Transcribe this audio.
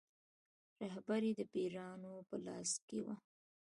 رهبري یې د پیرانو په لاس کې وه.